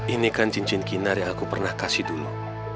ini kan cincin kinar yang aku pernah kasih dulu